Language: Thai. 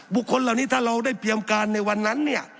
คนเหล่านี้ถ้าเราได้เตรียมการในวันนั้นเนี่ย